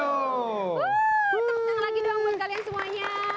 untuk senang lagi dong buat kalian semuanya